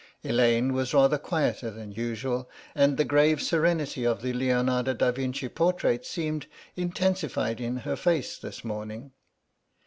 Elaine was rather quieter than usual, and the grave serenity of the Leonardo da Vinci portrait seemed intensified in her face this morning.